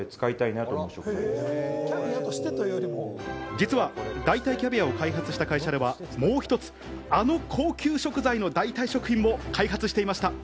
実は代替キャビアを開発した会社ではもう一つ、あの高級食材の代替食品も開発していました。